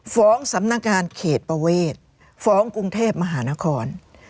สำนักงานเขตประเวทฟ้องกรุงเทพมหานคร